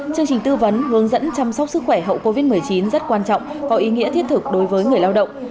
chương trình tư vấn hướng dẫn chăm sóc sức khỏe hậu covid một mươi chín rất quan trọng có ý nghĩa thiết thực đối với người lao động